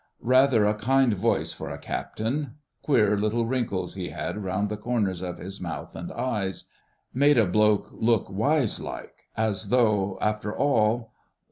Rather a kind voice for a Captain. Queer little wrinkles he had round the corners of his mouth and eyes ... made a bloke look wise like ... as though after all